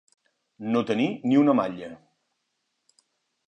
No tenir ni una malla.